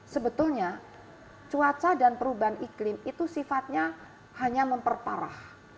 sebetulnya cuaca dan perubahan iklim itu sifatnya hanya memperparah